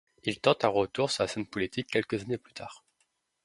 Il tente un retour sur la scène politique quelques années plus tard.